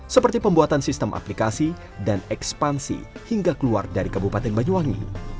seperti pembuatan sistem aplikasi dan ekspansi hingga keluar dari kabupaten banyuwangi